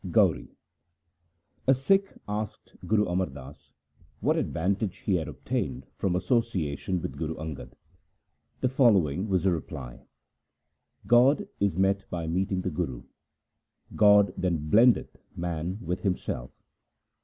Gauri A Sikh asked Guru Amar Das what advantage he had obtained from association with Guru Angad. The following was the reply :— God is met by meeting the Guru ; God then blendeth man with Himself.